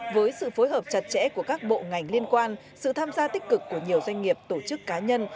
với sự phối hợp chặt chẽ của các bộ ngành liên quan sự tham gia tích cực của nhiều doanh nghiệp tổ chức cá nhân